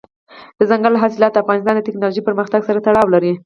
دځنګل حاصلات د افغانستان د تکنالوژۍ پرمختګ سره تړاو لري.